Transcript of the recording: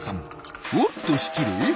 おっと失礼。